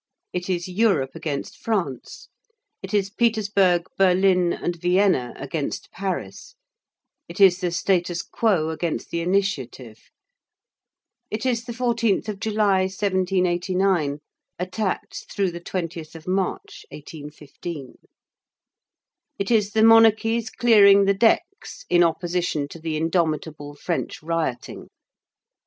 It is Europe against France; it is Petersburg, Berlin, and Vienna against Paris; it is the statu quo against the initiative; it is the 14th of July, 1789, attacked through the 20th of March, 1815; it is the monarchies clearing the decks in opposition to the indomitable French rioting.